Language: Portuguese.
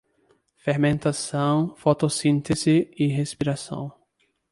Fermentação, fotossíntese e respiração